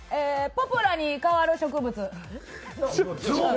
「ポプラに代わる植物」